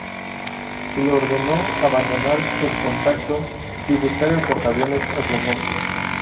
Se le ordenó abandonar el contacto y buscar al portaaviones hacia el norte.